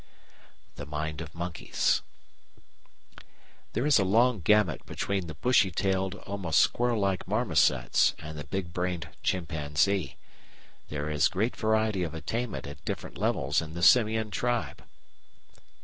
THE MIND OF MONKEYS § 8 There is a long gamut between the bushy tailed, almost squirrel like marmosets and the big brained chimpanzee. There is great variety of attainment at different levels in the Simian tribe.